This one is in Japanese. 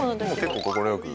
結構快く。